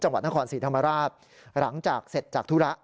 จังหวัดนครศรีธรรมราชหลังจากเสร็จจากธุระ